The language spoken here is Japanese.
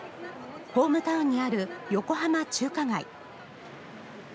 ホームタウンにある横浜中華街。